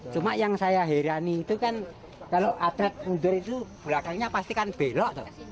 cuma yang saya herani itu kan kalau atlet mundur itu belakangnya pasti kan belok